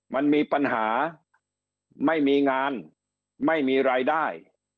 มันมีปัญหาไม่มีงานไม่มีรายได้